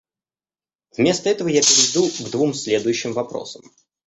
Вместо этого я перейду к двум следующим вопросам.